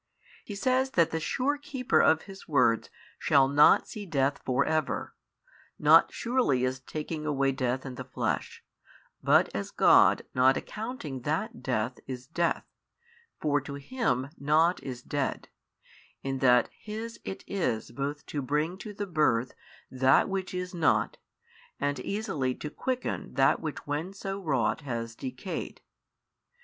He says that the sure keeper of His words shall not see death for ever, not surely as taking away death in the flesh, but as God not accounting that death is death, for to Him nought is dead, in that His it is both to bring to the birth that which is not and easily to quicken that which when so wrought has decayed.